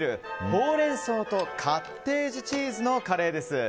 ほうれん草とカッテージチーズのカレーです。